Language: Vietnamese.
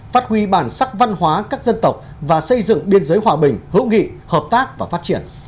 phát huy bản sắc văn hóa các dân tộc và xây dựng biên giới hòa bình hữu nghị hợp tác và phát triển